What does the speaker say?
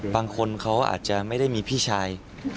บางคนเขาอาจจะไม่ได้มีพี่ชาย